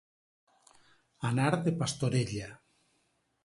Anar de pastorella.